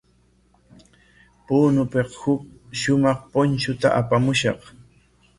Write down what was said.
Punopik huk shumaq punchuta apamushqa.